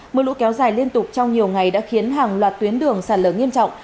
mưa lũ kéo dài liên tục trong nhiều ngày đã khiến hàng loạt tuyến đường sạt lở nghiêm trọng